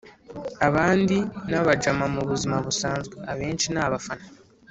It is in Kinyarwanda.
abandi n’abajama m’ubuzima busanzwe, abenshi n’abafana